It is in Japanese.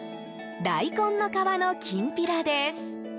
大根の皮のきんぴらです。